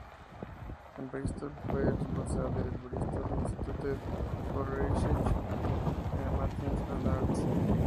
En Bristol fue responsable del Bristol Institute for Research in the Humanities and Arts.